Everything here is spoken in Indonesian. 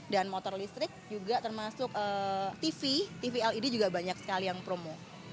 dan motor listrik juga termasuk tv tv led juga banyak sekali yang promo